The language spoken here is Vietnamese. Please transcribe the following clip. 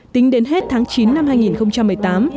tính đến hết tháng chín năm hai nghìn một mươi tám